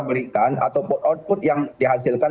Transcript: berikan atau output yang dihasilkan